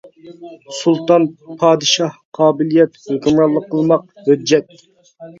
سۇلتان : پادىشاھ، قابىلىيەت، ھۆكۈمرانلىق قىلماق، ھۆججەت.